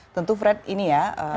tentu fred ini ya